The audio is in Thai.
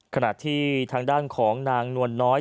ขณะที่ทางด้านของนางนวลน้อย